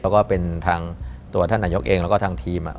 เพิ่งเป็นตัวท่านหน้ายกเองแล้วก็ทางทีม